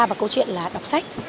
vào câu chuyện là đọc sách